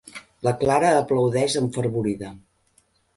La Clara l'aplaudeix enfervorida.